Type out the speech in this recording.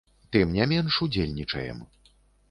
Тым не менш, удзельнічаем.